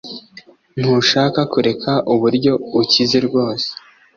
Ntushaka kureka uburyo ukize rwose